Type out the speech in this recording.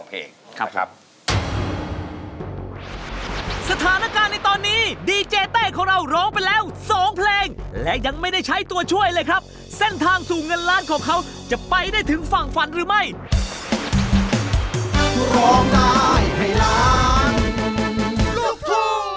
เพราะนี้นะครับก็ต้องให้เกียรติเจ้าของเพลงนะครับ